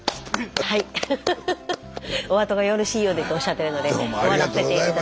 はいおあとがよろしいようでとおっしゃってるので終わらせて頂きます。